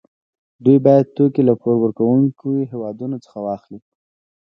دوی باید توکي له پور ورکوونکي هېواد څخه واخلي